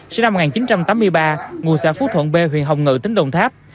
sinh năm một nghìn chín trăm tám mươi ba ngụ xã phú thuận b huyện hồng ngự tỉnh đồng tháp